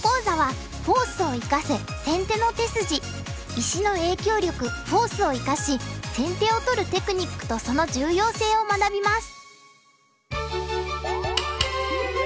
石の影響力フォースを生かし先手を取るテクニックとその重要性を学びます。